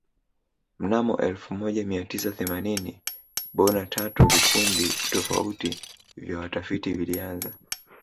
Mnamo elfu moja Mia tisa themanini bona tatu vikundi tofauti vya watafiti vilianza